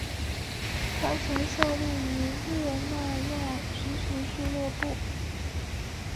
他曾效力于热那亚足球俱乐部。